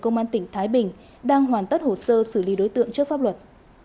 công an tỉnh thái bình đang hoàn tất hồ sơ xử lý đối tượng trước pháp luật